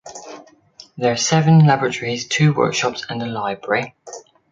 There are seven laboratories, two workshops and a library.